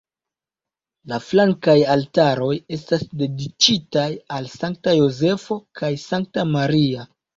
La flankaj altaroj estas dediĉitaj al Sankta Jozefo kaj Sankta Maria.